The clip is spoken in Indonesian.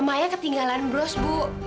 maya ketinggalan bros bu